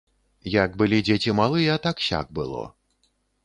Як былі дзеці малыя так-сяк было.